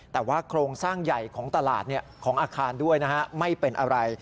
แต่ว่าโครงสร้างใหญ่ของตลาดของอาคารด้วยนะฮะไม่เป็นอะไร